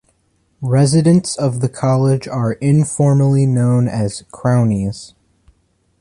Residents of the college are informally known as Crownies.